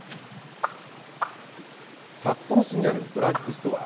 札幌市にあるドラッグストア。